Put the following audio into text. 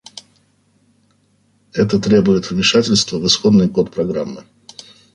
Это требует вмешательства в исходный код программы